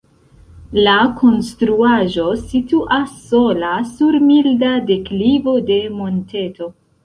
La konstruaĵo situas sola sur milda deklivo de monteto.